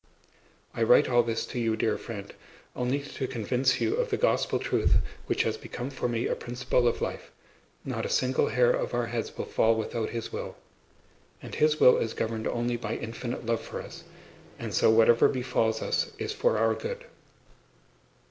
I write all this to you, dear friend, only to convince you of the Gospel truth which has become for me a principle of life: not a single hair of our heads will fall without His will. And His will is governed only by infinite love for us, and so whatever befalls us is for our good.